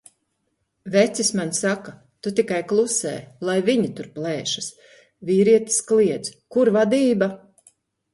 Vecis man saka: "Tu tikai klusē, lai viņa tur plēšas." Vīrietis kliedz: "Kur vadība?